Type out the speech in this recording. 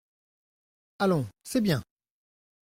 Allons, c’est bien !